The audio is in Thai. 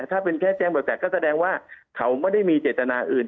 ถ้าเป็นแค่แจ้งบริษัทก็แสดงว่าเขาไม่ได้มีเจตนาอื่น